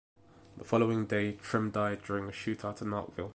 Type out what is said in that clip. The following day Trim died during a shootout in Arkville.